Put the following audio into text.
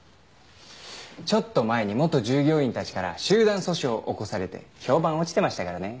ちょっと前に元従業員たちから集団訴訟起こされて評判落ちてましたからね。